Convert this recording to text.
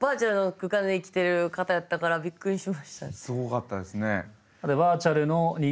だからすごかったですね。